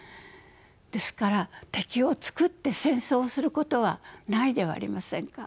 ですから敵を作って戦争をすることはないではありませんか。